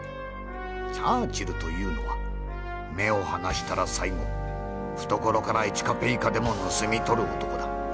チャーチルというのは目を離したら最後懐から１カペイカでも盗み取る男だ。